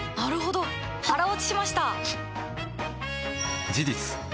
腹落ちしました！